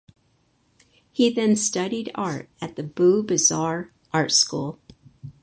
He then studied art at the Bou Bazar Art School.